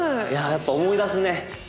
やっぱ思い出すね。